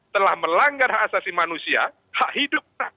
telah melanggar hak asasi manusia hak hidup